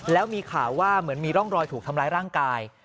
แล้วมีข่าวว่าเหมือนมีร่องรอยถูกทำร้ายร่างกาย